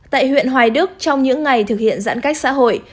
tại huyện hoài đức trong những ngày thực hiện giãn cách xã hội